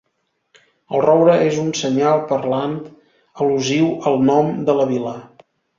El roure és un senyal parlant al·lusiu al nom de la vila.